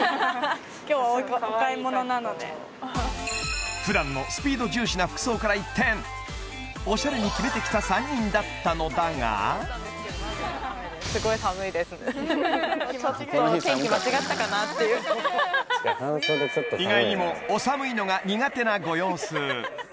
今日はお買い物なのでかわいい格好を普段のスピード重視な服装から一転おしゃれに決めてきた３人だったのだがちょっと意外にもお寒いのが苦手なご様子